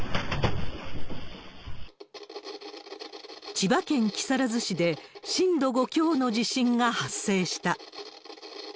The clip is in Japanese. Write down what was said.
千葉県木更津市で、震度５強の地震が発生した。